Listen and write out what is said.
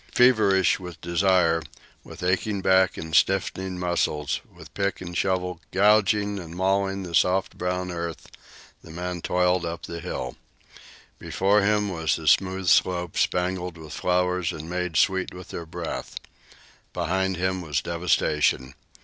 Feverish with desire, with aching back and stiffening muscles, with pick and shovel gouging and mauling the soft brown earth, the man toiled up the hill. Before him was the smooth slope, spangled with flowers and made sweet with their breath. Behind him was devastation.